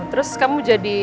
terus kamu jadi